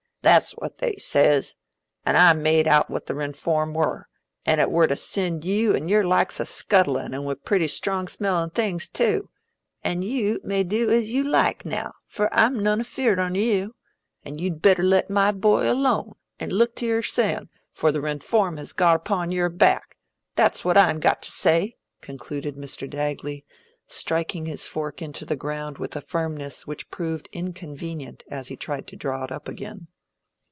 That's what they says. An' I made out what the Rinform were—an' it were to send you an' your likes a scuttlin' an' wi' pretty strong smellin' things too. An' you may do as you like now, for I'm none afeard on you. An' you'd better let my boy aloan, an' look to yoursen, afore the Rinform has got upo' your back. That's what I'n got to say," concluded Mr. Dagley, striking his fork into the ground with a firmness which proved inconvenient as he tried to draw it up again.